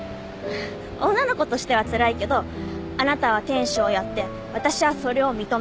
女の子としてはつらいけどあなたは天使をやって私はそれを認める。